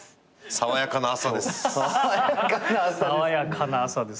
爽やかな朝ですね。